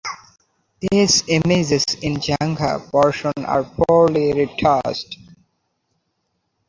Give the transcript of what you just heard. These images in "jangha" portion are poorly retouched.